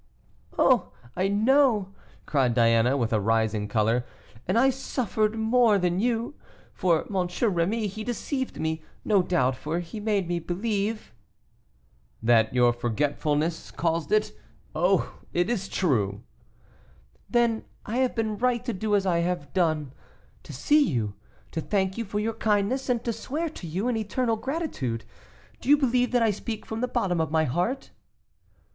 "Oh! I know," cried Diana, with a rising color, "and I suffered more than you, for M. Rémy, he deceived me, no doubt; for he made me believe " "That your forgetfulness caused it. Oh! it is true." "Then I have been right to do as I have done; to see you, to thank you for your kindness, and to swear to you an eternal gratitude. Do you believe that I speak from the bottom of my heart?"